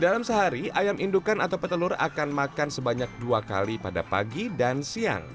dalam sehari ayam indukan atau petelur akan makan sebanyak dua kali pada pagi dan siang